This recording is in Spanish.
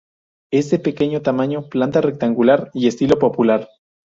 Es de pequeño tamaño, planta rectangular y estilo popular.